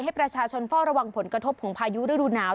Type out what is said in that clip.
ให้ประชาชนเฝ้าระวังผลกระทบของพายุฤดูหนาว